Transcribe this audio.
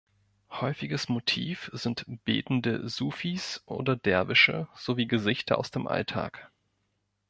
Häufiges Motiv sind betende Sufis oder Derwische sowie Gesichter aus dem Alltag.